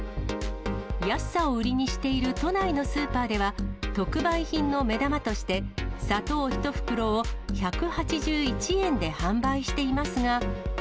安さを売りにしている都内のスーパーでは、特売品の目玉として、砂糖１袋を１８１円で販売していますが。